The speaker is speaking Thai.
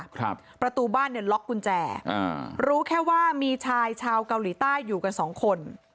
ประตูบ้านเนี่ยล็อกกุญแจอ่ารู้แค่ว่ามีชายชาวเกาหลีใต้อยู่กันสองคน